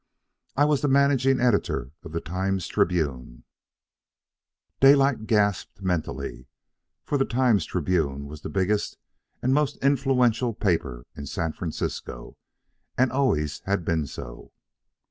I was managing editor of the Times Tribune " Daylight gasped mentally, for the Times Tribune was the biggest and most influential paper in San Francisco, and always had been so.